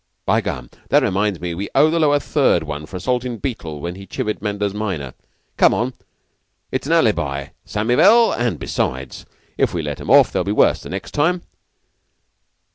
By gum! That reminds me we owe the Lower Third one for assaultin' Beetle when he chivied Manders minor. Come on! It's an alibi, Samivel; and, besides, if we let 'em off they'll be worse next time."